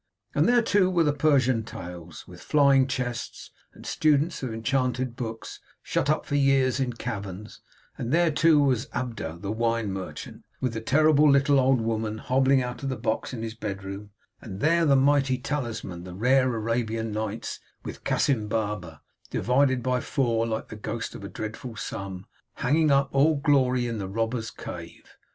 And there too were the Persian tales, with flying chests and students of enchanted books shut up for years in caverns; and there too was Abudah, the merchant, with the terrible little old woman hobbling out of the box in his bedroom; and there the mighty talisman, the rare Arabian Nights, with Cassim Baba, divided by four, like the ghost of a dreadful sum, hanging up, all gory, in the robbers' cave.